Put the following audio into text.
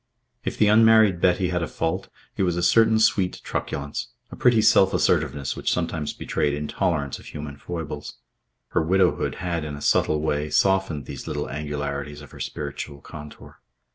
If the unmarried Betty had a fault, it was a certain sweet truculence, a pretty self assertiveness which sometimes betrayed intolerance of human foibles. Her widowhood had, in a subtle way, softened these little angularities of her spiritual contour.